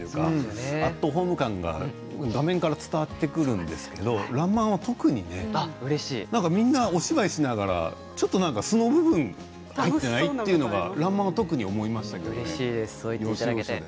アットホーム感が画面から伝わってくるんですけど「らんまん」は、特にねみんな、お芝居しながらちょっと素の部分が入っていない？っていうのが「らんまん」は特にありました。